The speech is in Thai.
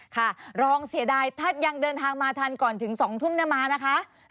ค่ะรองเสียดายถ้ายังเดินทางมาทันก่อนถึง๒ทุ่มมานะคะ